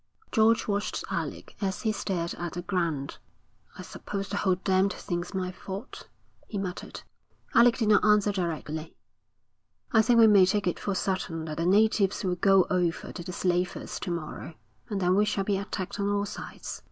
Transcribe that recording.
George watched Alec as he stared at the ground. 'I suppose the whole damned thing's my fault,' he muttered. Alec did not answer directly. 'I think we may take it for certain that the natives will go over to the slavers to morrow, and then we shall be attacked on all sides.